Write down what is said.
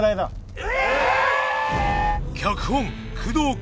え！